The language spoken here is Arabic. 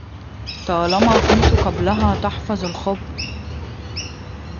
طالما كنت قبلها تحفظ الخب